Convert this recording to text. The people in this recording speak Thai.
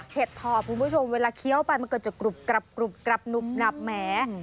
เห็ดถอบคุณผู้ชมเวลาเคี้ยวไปมันก็จะกรุบกรับหนุบหนับแหม